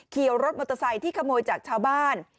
ขี่รถมอเตอร์ไซค์ที่ขโมยจากชาวบ้าน